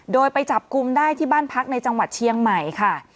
โดยไปจับกลุ่มได้ที่บ้านพักในจังหวัดเชียงใหม่ค่ะ